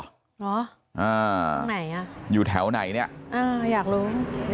เหรออ่าตรงไหนอ่ะอยู่แถวไหนเนี่ยอ่าอยากรู้